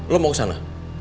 lo mau kesana